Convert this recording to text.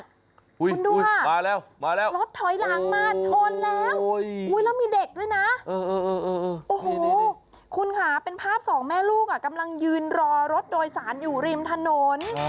คุณดูค่ะมาแล้วมาแล้วรถถอยหลังมาชนแล้วแล้วมีเด็กด้วยนะโอ้โหคุณค่ะเป็นภาพสองแม่ลูกกำลังยืนรอรถโดยสารอยู่ริมถนน